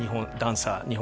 日本